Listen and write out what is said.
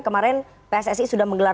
kemarin pssi sudah menggelarkan